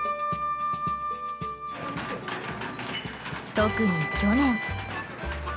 特に去年。